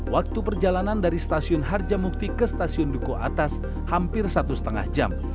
waktu perjalanan dari stasiun harjamukti ke stasiun duku atas hampir satu lima jam